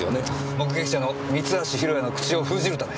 目撃者の三橋弘也の口を封じるため。